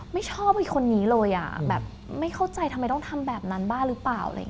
ไม่ชอบอีกคนนี้เลยไม่เข้าใจทำไมต้องทำแบบนั้นบ้าหรือเปล่า